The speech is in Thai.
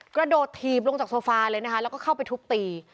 กระโดดถีบลงจากโซฟาเลยนะคะแล้วก็เข้าไปทุบตี